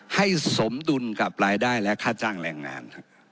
ให้สมดุลกับรายได้และค่าจ้างแรงงานครับ